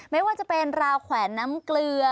ไม่ว่าจะเป็นราวแขวนน้ำเกลือ